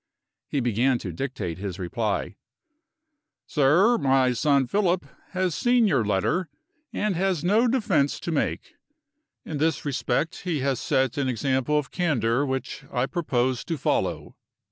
He began to dictate his reply. "Sir My son Philip has seen your letter, and has no defense to make. In this respect he has set an example of candor which I propose to follow.